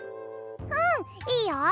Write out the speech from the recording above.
うんいいよ。